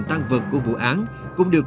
tăng vật của vụ án cũng được